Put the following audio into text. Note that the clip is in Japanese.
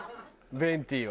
ベンティは。